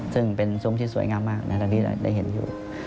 ซึ่งเป็นซุ้มที่สวยงามมากทั้งนี้ได้เห็นอยู่